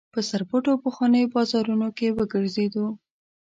په سرپټو پخوانیو بازارونو کې وګرځېدو.